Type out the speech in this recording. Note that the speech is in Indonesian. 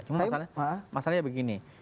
cuma masalahnya begini